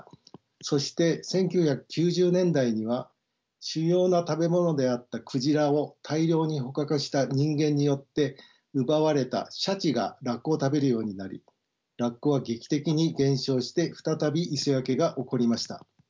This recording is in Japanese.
そして１９９０年代には主要な食べ物であった鯨を大量に捕獲した人間によって奪われたシャチがラッコを食べるようになりラッコは劇的に減少して再び磯焼けが起こりました。